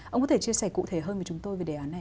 ông có thể chia sẻ cụ thể hơn với chúng tôi về đề án này